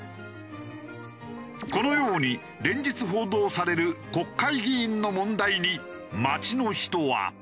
このように連日報道される国会議員の問題に街の人は？